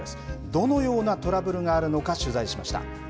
どのようなトラブルがあるのか、取材しました。